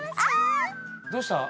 どうした？